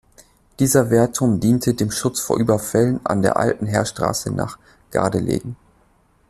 Dieser Wehrturm diente dem Schutz vor Überfällen an der alten Heerstraße nach Gardelegen.